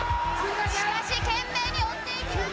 しかし懸命に追っていきます！